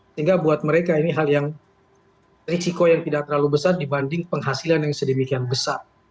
sehingga buat mereka ini hal yang risiko yang tidak terlalu besar dibanding penghasilan yang sedemikian besar